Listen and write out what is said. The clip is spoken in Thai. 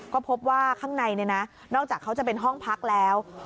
ก็พบว่าข้างในเนี่ยนะนอกจากเขาจะเป็นห้องพักแล้ว